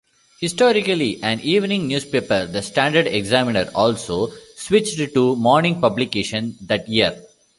Historically an evening newspaper, the "Standard-Examiner" also switched to morning publication that year.